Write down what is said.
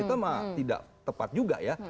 itu tidak tepat juga ya